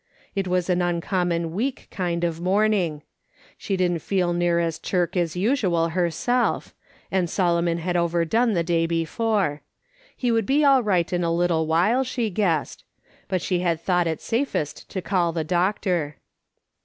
It was an uncommon weak kind of morning ; she didn't feel near as chirk as usual her self, and Solomon had overdone the day before ; he would be all right in a little while, she guessed ; but she had thought it safest to call the doctor.